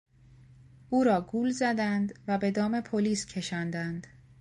او را گول زدند و به دام پلیس کشاندند.